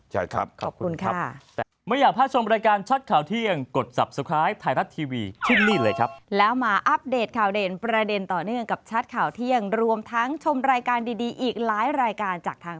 ใช่ครับขอบคุณครับ